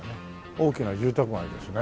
大きな住宅街ですね。